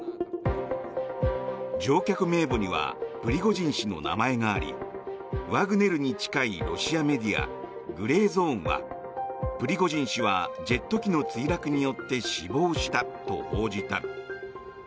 乗客名簿にはプリゴジン氏の名前がありワグネルに近いロシアメディアグレーゾーンはプリゴジン氏はジェット機の墜落によって死亡したと報じた。